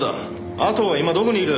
阿藤は今どこにいる？